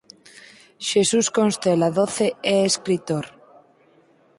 Xesús Constela Doce é escritor.